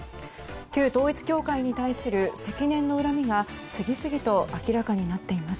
旧統一教会に対する積年の恨みが次々と明らかになっています。